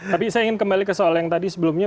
tapi saya ingin kembali ke soal yang tadi sebelumnya